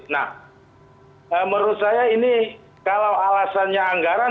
nah menurut saya ini kalau alasannya anggaran